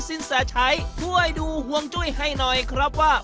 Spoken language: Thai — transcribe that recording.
สินแสชัยช่วยดูห่วงจุ้ยให้หน่อยครับว่า